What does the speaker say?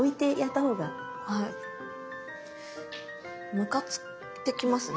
ムカついてきますね。